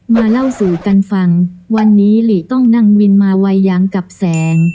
เล่าสู่กันฟังวันนี้หลีต้องนั่งวินมาวัยยังกับแสง